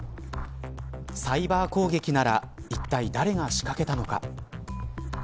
サイバー攻撃ならいったい、誰が仕掛けたのか。